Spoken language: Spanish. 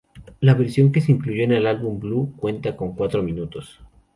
La versión que se incluyó en el álbum "Blue" cuenta con cuatro minutos.